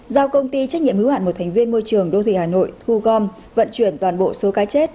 giao công ty trách nhiệm hữu hạn một thành viên môi trường đô thị hà nội thu gom vận chuyển toàn bộ số cá chết